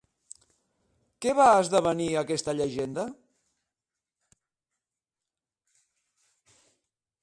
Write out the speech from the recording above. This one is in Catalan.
Què va esdevenir aquesta llegenda?